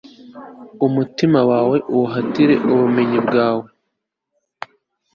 umutima wawe uwuhatire ubumenyi bwanjye